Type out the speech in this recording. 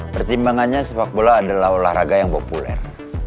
pertimbangannya sepak bola adalah olahraga yang populer